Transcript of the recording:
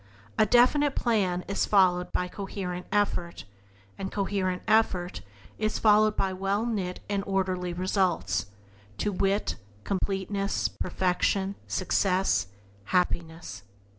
A definite plan is followed by coherent effort; and coherent effort is followed by well knit and orderly results — to wit, completeness, perfection, success, happiness.